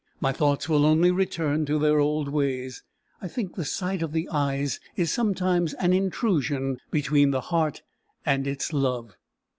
My thoughts will only return to their old ways. I think the sight of the eyes is sometimes an intrusion between the heart and its love."